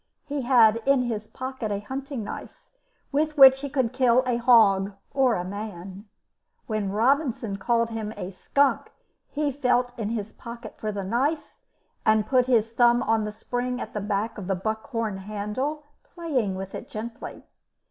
He had in his pocket a hunting knife, with which he could kill a hog or a man. When Robinson called him a skunk he felt in his pocket for the knife, and put his thumb on the spring at the back of the buckhorn handle, playing with it gently.